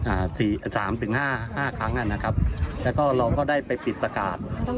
อ่าสี่สามถึงห้าห้าครั้งอ่ะนะครับแล้วก็เราก็ได้ไปปิดประกาศ